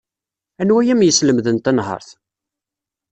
Anwa ay am-yeslemden tanhaṛt?